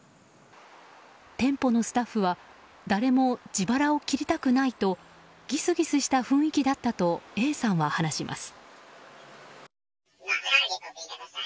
店舗のスタッフは誰も自腹を切りたくないとギスギスした雰囲気だったとＡさんは話します。